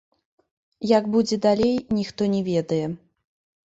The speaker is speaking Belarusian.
Як будзе далей, ніхто не ведае.